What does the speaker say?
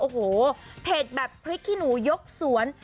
โอ้โหเพจแบบพริกกินูยกสวน